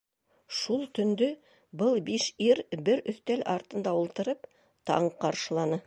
Шул төндө был биш ир бер өҫтәл артында ултырып, таң ҡаршыланы.